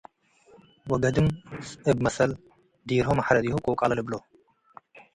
ከገድም እብ መሰል፤ “ዴርሆ መሕረዲሁ ቆቀለ” ልብሎ።